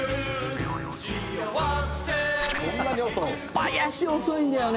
小林、遅いんだよね。